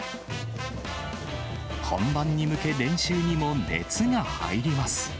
本番に向け、練習にも熱が入ります。